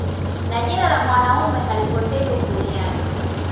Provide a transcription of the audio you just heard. Na jina la mwanaume halipotei ukuryani